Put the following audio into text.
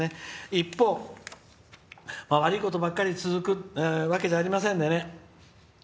一方、悪いことばかり続くわけじゃありませんのでね。